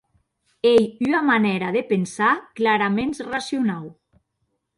Ei ua manèra de pensar claraments racionau.